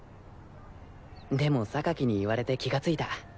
でもに言われて気がついた。